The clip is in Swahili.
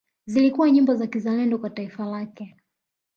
Zilikuwa nyimbo za kizalendo kwa taifa lake